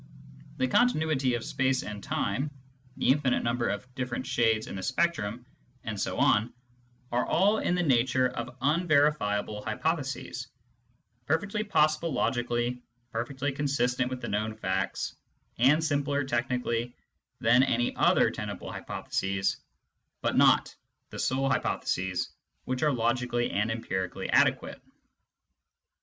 The continuity of space and time, the infinite number of Digitized by Google THE THEORY OF CONTINUITY 149 different shades in the spectrum, and so on, are all in the nature of unverifiable hypotheses — perfectly possible logically, perfectly consistent with the known facts, and simpler technically than any other tenable hypotheses, but not the sole hypotheses which are logically and em pirically adequate.